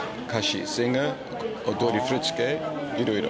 いろいろ。